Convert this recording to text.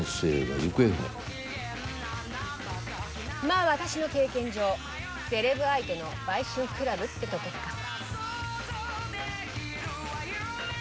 まあ私の経験上セレブ相手の売春クラブってとこか。